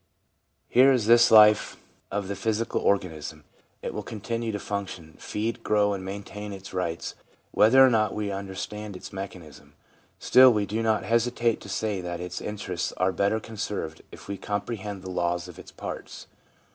Here is this life of the 8 THE PSYCHOLOGY OF RELIGION physical organism. It will continue to function, feed, grow and maintain its rights whether or not we under stand its mechanism. Still we do not hesitate to say that its interests are better conserved if we comprehend the laws of its parts.